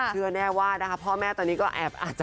อ๋อเกรสอึดแล้วเนอะ